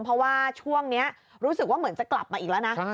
เพราะว่าช่วงนี้รู้สึกว่าเหมือนจะกลับมาอีกแล้วนะ